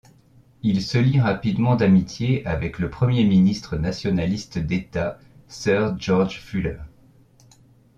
Il se lie rapidement d'amitié avec le Premier ministre nationaliste d'État, Sir George Fuller.